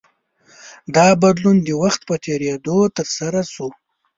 دا بدلون د وخت په تېرېدو ترسره شو.